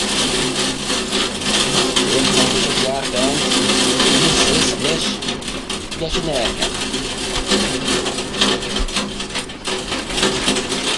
As dooyrt eh rish e harvaant, immee seose nish, jeeagh lesh yn 'aarkey.